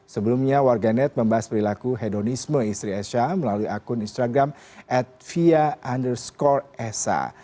sebelumnya warganet membahas perilaku hedonisme istri esha melalui akun instagram at fia underscore esha